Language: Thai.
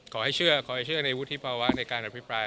ขอให้เชื่อในวุฒิภาวะในการอภิปราย